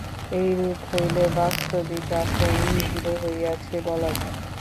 এইরূপ হইলে বাস্তবিক আসন দৃঢ় হইয়াছে, বলা যায়।